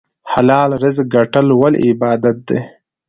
حلال رزق ګټل ولې عبادت دی؟